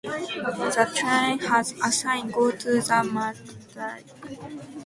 The tram has a sign "Go to the Maldives".